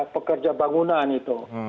pekerja bangunan itu